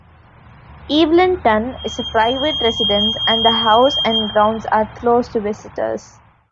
Evelynton is a private residence and the house and grounds are closed to visitors.